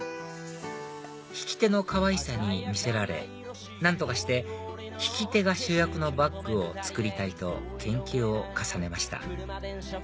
引き手のかわいさに魅せられ何とかして引き手が主役のバッグを作りたいと研究を重ねました